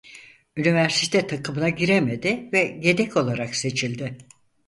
Üniversite takımına giremedi ve yedek olarak seçildi.